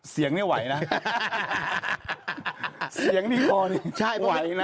เดี๋ยวก่อนเสียงนี่ไหวนะ